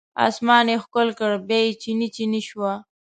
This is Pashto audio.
اسمان یې ښکل کړ بیا چینې، چینې شوه